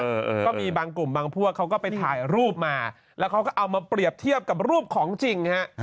ก็มีบางกลุ่มบางพวกเขาก็ไปถ่ายรูปมาแล้วเขาก็เอามาเปรียบเทียบกับรูปของจริงฮะ